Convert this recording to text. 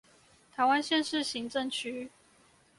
臺灣縣市行政區